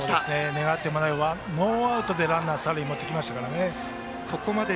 願ってもないノーアウトでランナー、三塁に持ってきましたから。